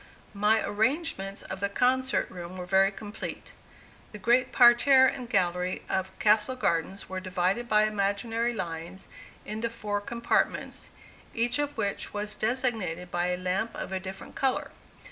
My arrangements of the concert room were very complete. The great parterre and gallery of Castle Garden were divided by imaginary lines into four compartments, each of which was designated by a lamp of a different color.